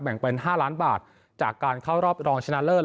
งเป็น๕ล้านบาทจากการเข้ารอบรองชนะเลิศ